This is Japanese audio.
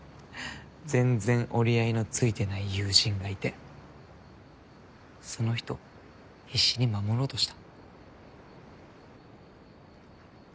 全然折り合いのついてない友人がいてその人必死に守ろうとした。